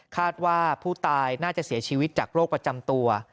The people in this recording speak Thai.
คาดว่าผู้ตายน่าจะเสียชีวิตจากโรคประจำตัว